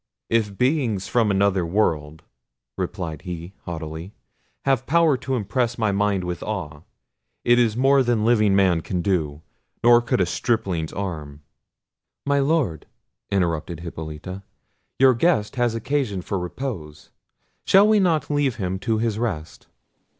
"If beings from another world," replied he haughtily, "have power to impress my mind with awe, it is more than living man can do; nor could a stripling's arm." "My Lord," interrupted Hippolita, "your guest has occasion for repose: shall we not leave him to his rest?"